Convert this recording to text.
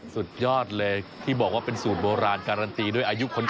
สุดยอดเลยที่บอกว่าเป็นสูตรโบราณการันตีด้วยอายุคน